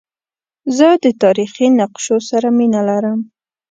زه د تاریخي نقشو سره مینه لرم.